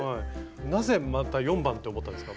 なぜまた４番って思ったんですか？